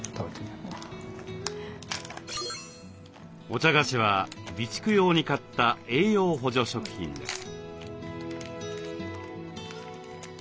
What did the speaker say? お茶菓子は備蓄用に買った栄養補助食品です。